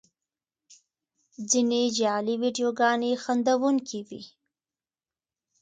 ځینې جعلي ویډیوګانې خندوونکې وي.